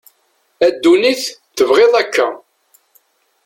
a dunit tebγiḍ akka